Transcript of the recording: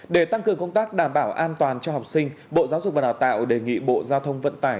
để tăng cường công tác đảm bảo an toàn cho học sinh bộ giáo dục và đào tạo đề nghị bộ giao thông vận tải